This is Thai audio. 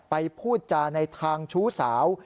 พูดจาในทางชู้สาว